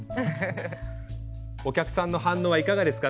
お客さんの反応はいかがですか？